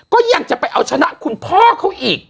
ก็ยังจะไปเอาชนะคุณพ่อเขาอีก